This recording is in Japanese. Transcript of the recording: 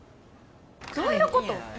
どういうこと？